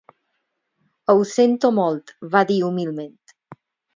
"Ho sento molt", va dir humilment.